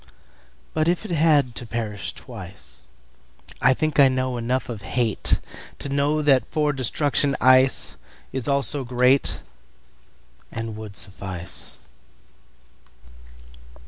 But if it had to perish twice,I think I know enough of hateTo know that for destruction iceIs also greatAnd would suffice.